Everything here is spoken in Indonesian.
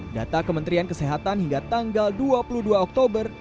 data kementerian kesehatan hingga tanggal dua puluh dua oktober